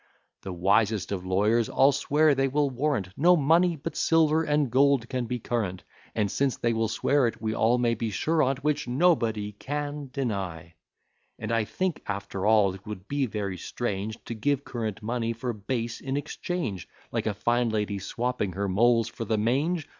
The wisest of lawyers all swear, they will warrant No money but silver and gold can be current; And, since they will swear it, we all may be sure on't. Which, &c. And I think, after all, it would be very strange, To give current money for base in exchange, Like a fine lady swapping her moles for the mange.